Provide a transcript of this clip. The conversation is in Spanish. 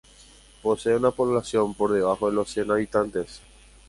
Posee una población por debajo de los cien habitantes.